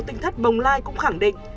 tinh thất bồng lai cũng khẳng định